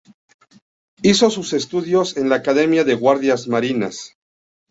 Hizo sus estudios en la Academia de Guardias Marinas.